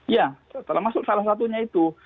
ya termasuk salah satunya itu